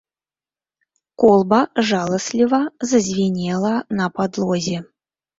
Колба жаласліва зазвінела на падлозе.